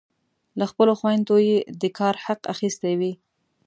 له خپلو خویندو یې د کار حق اخیستی وي.